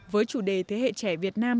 với chủ đề thế hệ trẻ việt nam